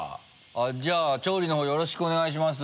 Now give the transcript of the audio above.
じゃあ調理のほうよろしくお願いします。